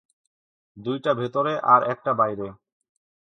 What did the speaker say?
দুইটা ভেতরে, আর একটা বাইরে।